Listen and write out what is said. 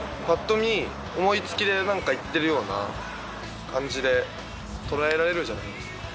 ぱっと見、思いつきでなんか言ってるような感じで、捉えられるじゃないですか。